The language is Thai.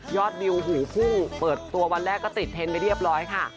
วิวหูพุ่งเปิดตัววันแรกก็ติดเทรนด์ไปเรียบร้อยค่ะ